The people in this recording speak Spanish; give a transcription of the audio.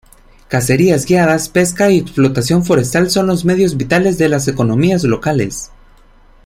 Cacerías guiadas, pesca y explotación forestal son los medios vitales de las economías locales.